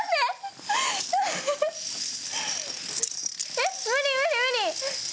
えっ無理無理無理！